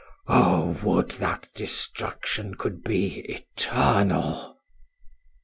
O! would that destruction could be eternal!"